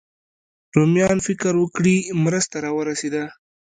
رومیان فکر وکړي مرسته راورسېده.